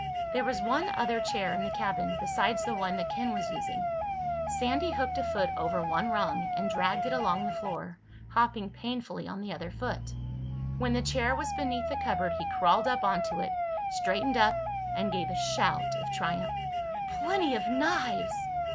There was one other chair in the cabin, besides the one that Ken was using. Sandy hooked a foot over one rung and dragged it along the floor, hopping painfully on the other foot. When the chair was beneath the cupboard he crawled up onto it, straightened up, and gave a shout of triumph. "Plenty of knives!"